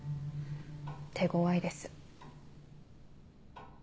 手ごわいです。